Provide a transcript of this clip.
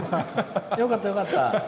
よかった、よかった。